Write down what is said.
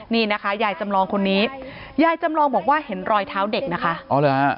นี่นะคะยายจำลองคนนี้ยายจำลองบอกว่าเห็นรอยเท้าเด็กนะคะอ๋อเหรอฮะ